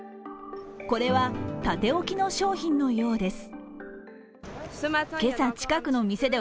これは縦置きの商品のようです。